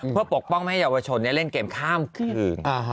เพื่อปกป้องไม่ให้เยาวชนเล่นเกมข้ามคืน